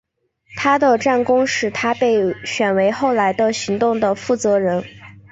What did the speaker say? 他的战功使他被选为后来的行动的负责人。